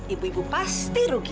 ibu ibu pasti rugi